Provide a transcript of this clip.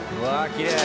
きれい！